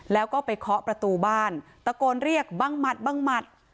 แล้วก็ไปเคาะประตูบ้านตะโกนเรียกบังหมัดบังหมัด